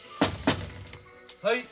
・はい。